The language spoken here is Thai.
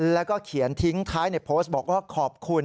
แล้วก็เขียนทิ้งท้ายในโพสต์บอกว่าขอบคุณ